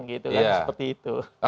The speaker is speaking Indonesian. gitu kan seperti itu